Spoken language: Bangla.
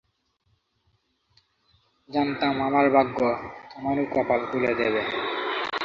জানতাম আমার ভাগ্য তোমারও কপাল খুলে দেবে।